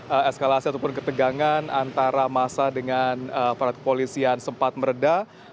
eskalasi ataupun ketegangan antara masa dengan para kepolisian sempat meredah